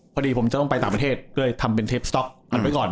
พอดีผมจะต้องไปต่างประเทศก็เลยทำเป็นเทปสต๊อกมันไว้ก่อน